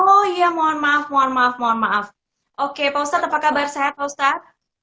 oh iya mohon maaf mohon maaf mohon maaf oke pak ustadz apa kabar sehat pak ustadz